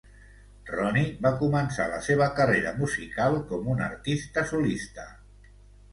Ronnie va començar la seva carrera musical com un artista solista.